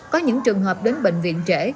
có những trường hợp đến bệnh viện trễ